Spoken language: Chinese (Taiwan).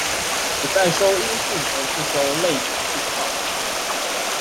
不再收音訊而是收類比訊號